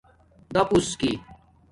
دپُݸس کی